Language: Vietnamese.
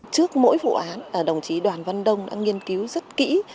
trước mỗi vụ án đồng chí đoàn văn đông đã nghiên cứu rất kỹ